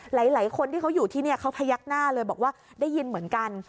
หลายคนที่เขาอยู่ที่นี่เขาพยักหน้าเลยบอกว่าได้ยินเหมือนกัน